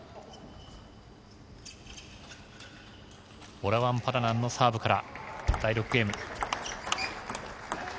オラワン・パラナンのサーブから第６ゲーム。